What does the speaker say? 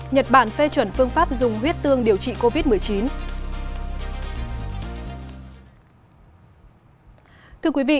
nhật bản phê chuẩn phương pháp dùng huyết tương điều trị covid một mươi chín